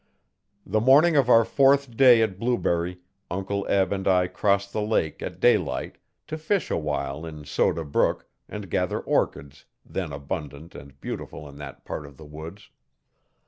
The morning of our fourth day at Blueberry Uncle Eb and I crossed the lake, at daylight, to fish awhile in Soda Brook and gather orchids then abundant and beautiful in that part of the woods.